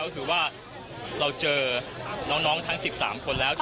ก็คือว่าเราเจอน้องทั้ง๑๓คนแล้ว